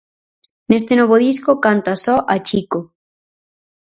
Neste novo disco canta só a Chico.